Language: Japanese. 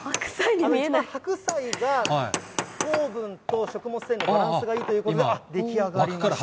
白菜が、糖分と食物繊維のバランスがいいということで、出来上がりました。